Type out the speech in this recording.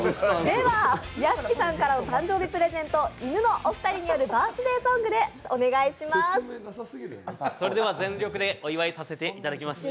では屋敷さんからのお誕生日プレゼント、いぬのお二人によるバースデーソングです、お願いします。